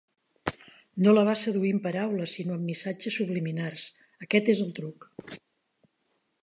No la va seduir amb paraules sinó amb missatges subliminars, aquest és el truc.